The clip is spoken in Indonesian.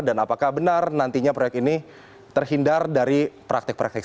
dan apakah benar nantinya proyek ini terhindar dari praktek praktek